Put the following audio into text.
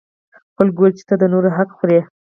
خلکو وویل چې ته د نورو حق خوري.